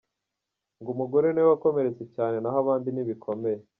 Ngo Umugore ni we wakomeretse cyane naho abandi ntibikomeye.